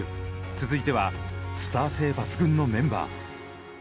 続いてはスター性抜群のメンバー。